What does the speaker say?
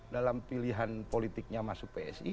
dalam pilihan politiknya masuk psi